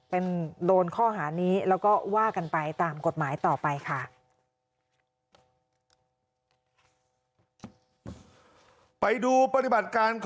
เป็นโดนข้อหานี้แล้วก็ว่ากันไปตามกฎหมายต่อไปค่ะ